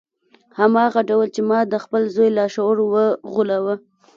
هماغه ډول چې ما د خپل زوی لاشعور وغولاوه